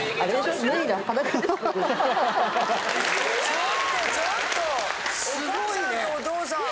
ちょっとちょっとお母さんとお父さん。